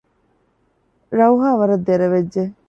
ރައުހާ ވަރަށް ދެރަވެއްޖެ